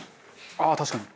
ああー確かに。